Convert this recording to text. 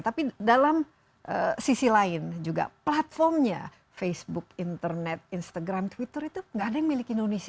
tapi dalam sisi lain juga platformnya facebook internet instagram twitter itu nggak ada yang milik indonesia